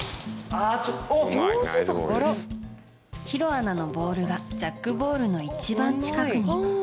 弘アナのボールがジャックボールの一番近くに。